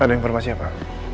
ada informasi apa